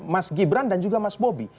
mas gibran dan juga mas bobi